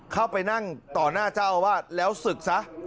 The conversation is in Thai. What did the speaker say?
เข้าไปนั่งต่อหน้าเจ้าอาวาสแล้วศึกซะ